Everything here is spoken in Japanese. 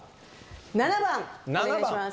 ７番お願いします。